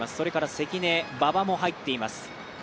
関根、馬場も入っています。